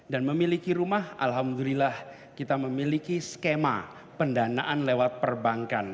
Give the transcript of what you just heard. dan memiliki rumah alhamdulillah kita memiliki skema pendanaan lewat perbankan